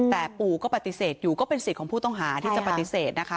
แต่ปู่ก็ปฏิเสธอยู่ก็เป็นสิทธิ์ของผู้ต้องหาที่จะปฏิเสธนะคะ